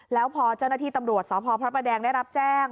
แล้วพอเจ้าหน้าที่ตำรวจสพพระประแดงได้รับแจ้ง